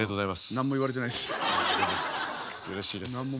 何も言われてないですよ。